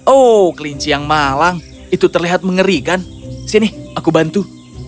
oh kelinci yang malang itu terlihat mengerikan sini aku bantu